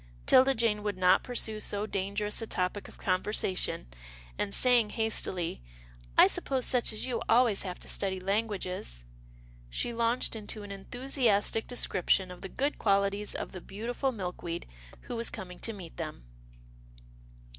'Tilda Jane would not pursue so dangerous a topic of conversation, and, saying hastily, " I sup 86 'TILDA JANE'S ORPHANS pose such as you always have to study languages/* she launched into an enthusiastic description of the good qualities of the beautiful Milkweed who was coming to meet them.